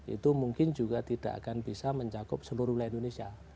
itu mungkin juga tidak akan bisa mencakup seluruh wilayah indonesia